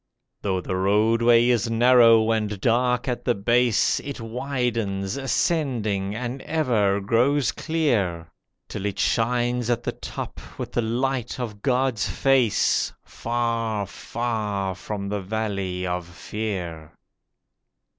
Though the Roadway is narrow and dark at the base, It widens ascending, and ever grows clear, Till it shines at the top with the Light of God's face, Far, far from the Valley of Fear.